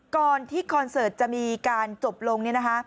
ก่อนที่คอนเสิร์ตจะมีการจบลง